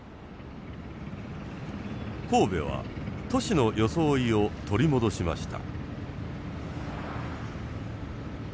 神戸は都市の装いを取り戻しました。